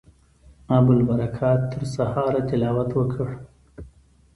ابوالبرکات تر سهاره تلاوت وکړ.